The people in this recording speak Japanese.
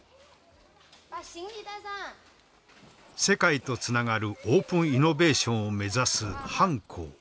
世界とつながるオープンイノベーションを目指す潘昊。